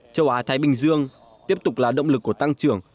châu á thái bình dương tiếp tục là động lực của tăng trưởng